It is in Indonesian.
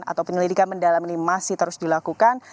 atau penyelidikan mendalam ini masih terus dilakukan